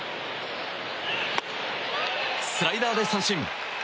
スライダーで三振！